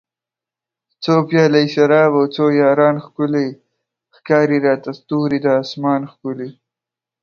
څو پیالۍ شراب او څو یاران ښکلي ښکاري راته ستوري د اسمان ښکلي